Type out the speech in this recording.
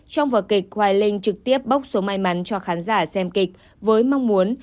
trong vở kịch hoài linh trực tiếp bốc số may mắn cho khán giả xem kịch với mong muốn